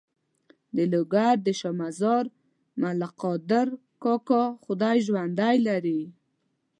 د لوګر د شا مزار ملک قادر کاکا خدای ژوندی لري.